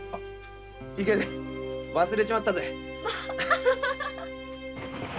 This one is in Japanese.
いけね忘れちまったぜ。